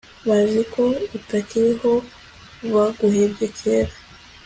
bazi ko utakiriho baguhebye kera